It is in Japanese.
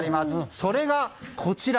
それがこちら。